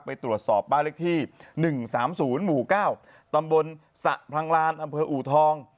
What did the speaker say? ไปตรวจสอบบ้านเลขที่๑๓๐หมู่๙ตำบลสะพลังลานอำเภออูทอง